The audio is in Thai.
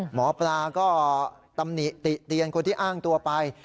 หมอปลาก็ตำหนิติเตียนคนที่อ้างตัวไป